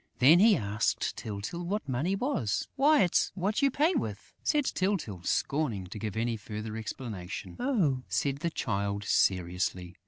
Then he asked Tyltyl what money was. "Why, it's what you pay with!" said Tyltyl, scorning to give any further explanation. "Oh!" said the Child, seriously.